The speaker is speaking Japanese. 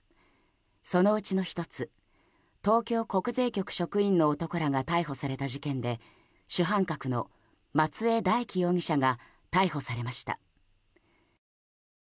そのうちの１つ東京国税局職員の男らが逮捕された事件で主犯格の松江大樹容疑者が逮捕されました。